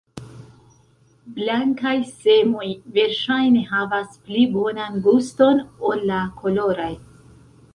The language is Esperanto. Blankaj semoj verŝajne havas pli bonan guston ol la koloraj.